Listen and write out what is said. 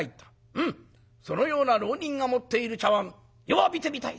「うむそのような浪人が持っている茶碗余は見てみたいぞ！」。